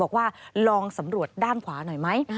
บอกว่าลองสำรวจด้านขวาหน่อยไหม